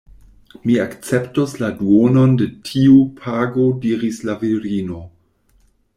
Mi akceptos la duonon de tiu pago diris la virino.